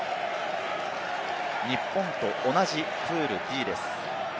日本と同じプールＤです。